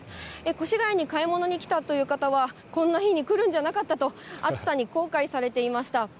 越谷に買い物に来たという方は、こんな日に来るんじゃなかったと、暑さに後悔されていました。